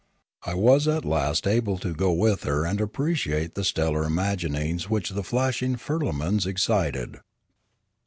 I was at last able to go with her and appreciate the stellar imaginings which the flashing firlamans excited.